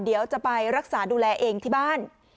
เดี๋ยวจะไปรักษาดูแลเองที่บ้าน